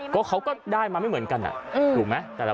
ก็เขาก็ได้มาไม่เหมือนกันถูกไหม